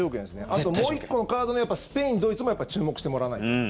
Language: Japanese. あと、もう１個のカードのスペイン、ドイツもやっぱり注目してもらわないと。